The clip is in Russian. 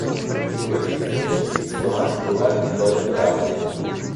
В этих цинических словах была и доля правды.